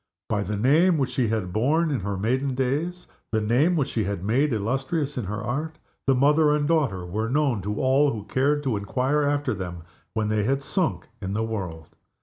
By the name which she had borne in her maiden days the name which she had made illustrious in her Art the mother and daughter were known to all who cared to inquire after them when they had sunk in the world.